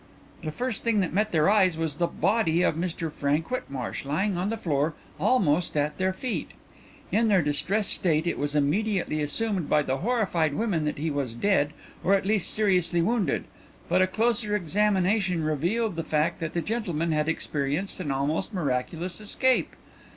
The first thing that met their eyes was the body of Mr Frank Whitmarsh lying on the floor almost at their feet. In their distressed state it was immediately assumed by the horrified women that he was dead, or at least seriously wounded, but a closer examination revealed the fact that the gentleman had experienced an almost miraculous escape.